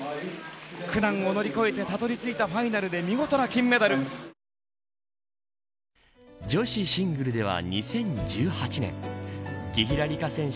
苦難を乗り越えてたどり着いたファイナルで女子シングルでは２０１８年紀平梨花選手